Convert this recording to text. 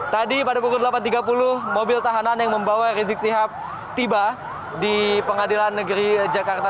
tadi pada pukul delapan tiga puluh mobil tahanan yang membawa rizik sihab tiba di pengadilan negeri jakarta